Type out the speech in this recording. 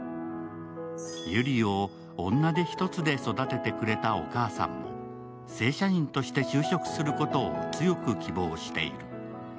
ゆりを女手一つで育ててくれたお母さんも正社員として就職することを強く希望している。